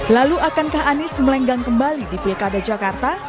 lalu akankah anies melenggang kembali di pilkada jakarta